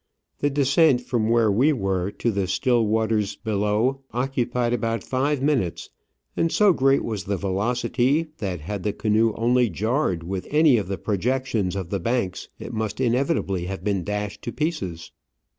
The descent from where we were to the still waters below occupied about five minutes, and so great was the velocity that had the canoe only jarred with any of the projections of the banks it must inevitably have been dashed to pieces.